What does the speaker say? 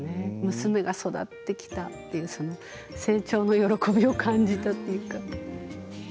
娘が育ってきたという成長の喜びを感じたというか。